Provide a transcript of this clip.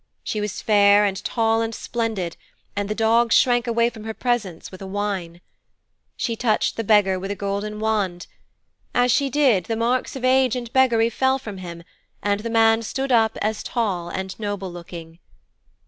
She was fair and tall and splendid, and the dogs shrank away from her presence with a whine. She touched the beggar with a golden wand. As she did, the marks of age and beggary fell from him and the man stood up as tall and noble looking.